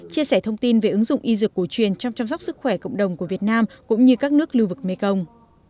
chia sẻ thông tin về ứng dụng y dược cổ truyền trong chăm sóc sức khỏe cộng đồng của việt nam cũng như các nước lưu vực mekong